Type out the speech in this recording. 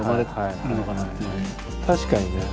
確かにね。